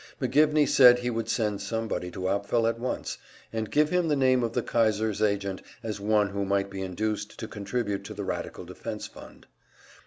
McGivney said he would send somebody to Apfel at once, and give him the name of the Kaiser's agent as one who might be induced to contribute to the radical defense fund.